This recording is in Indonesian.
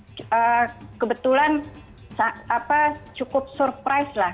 kebetulan cukup surprise lah